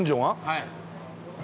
はい。